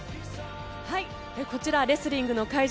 こちらレスリングの会場